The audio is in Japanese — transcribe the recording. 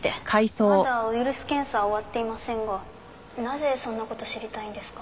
まだウイルス検査終わっていませんがなぜそんな事知りたいんですか？